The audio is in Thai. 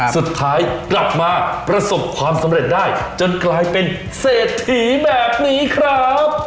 สุดท้ายกลับมาประสบความสำเร็จได้จนกลายเป็นเศรษฐีแบบนี้ครับ